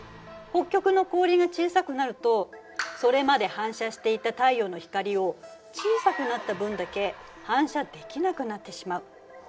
北極の氷が小さくなるとそれまで反射していた太陽の光を小さくなった分だけ反射できなくなってしまう。